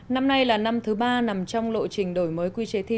năm nay là năm thứ ba nằm trong lộ trình đổi mới quy chế thi